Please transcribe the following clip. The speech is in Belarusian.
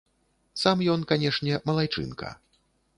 Сам ён, канешне, малайчынка.